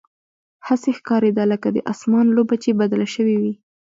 هسې ښکارېده لکه د اسمان لوبه چې بدله شوې وي.